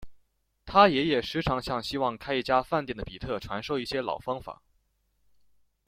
他爷爷时常向希望开一家饭馆的比特传授一些老方法。